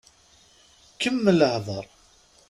Kemmel hdeṛ.